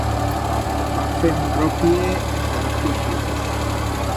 Van fer un roclle entre dos queixigos.